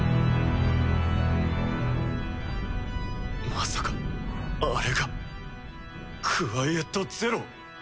まさかあれがクワイエット・ゼロ？